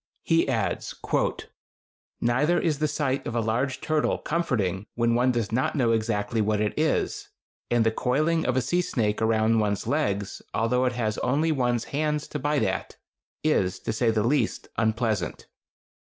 He adds: Neither is the sight of a large turtle comforting when one does not know exactly what it is, and the coiling of a sea snake around one's legs, although it has only one's hands to bite at, is, to say the least, unpleasant.